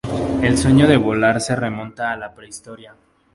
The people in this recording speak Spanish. El sueño de volar se remonta a la prehistoria.